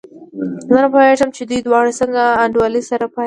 زه نه پوهېږم چې دوی دواړه څنګه انډيوالي سره پالي.